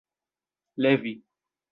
levi